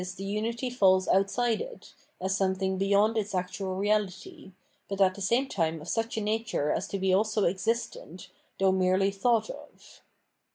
the xmity falls outside it, as something beyond its actual reality, but at the same time of such a nature as to be also existent, though merely thought of.